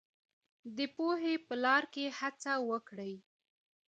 د پوهې په لار کې هڅه وکړئ.